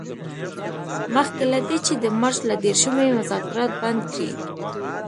مخکې له دې چې د مارچ له دیرشمې مذاکرات بند کړي.